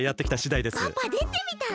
パパでてみたら？